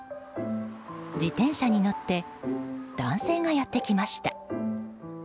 自転車に乗って男性がやってきました。